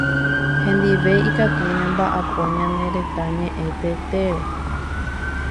Hendive ikatu ñambaʼapo ñane retã ñeʼẽ teére.